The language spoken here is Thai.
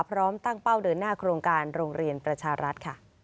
พร้อมตั้งเป้าเดินหน้าโครงการโรงเรียนประชารัฐ